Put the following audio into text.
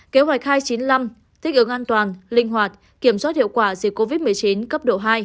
kế hoạch hai trăm chín mươi năm thích ứng an toàn linh hoạt kiểm soát hiệu quả dịch covid một mươi chín cấp độ hai